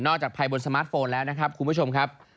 จากภายบนสมาร์ทโฟนแล้วนะครับคุณผู้ชมครับ